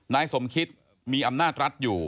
นายสมคิตมีอำนาจรัฐอยู่